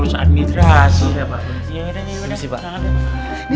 terima kasih em wy